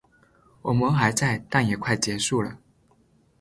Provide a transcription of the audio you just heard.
我们还在，但也快结束了